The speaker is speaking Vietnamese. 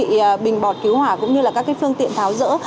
thì bình bọt cứu hỏa cũng như là các phương tiện tháo rỡ